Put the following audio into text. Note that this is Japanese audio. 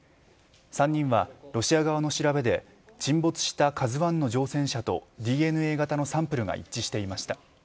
３人はロシア側の調べで沈没した「ＫＡＺＵ１」の乗船者とＤＮＡ型のサンプルが一致していました。